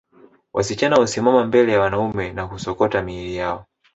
Wasichana husimama mbele ya wanaume na kusokota miili yao